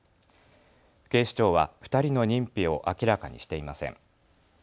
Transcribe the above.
警視庁は２人の認否を明らかにしていません。